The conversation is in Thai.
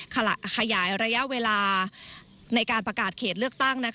ขยายระยะเวลาในการประกาศเขตเลือกตั้ง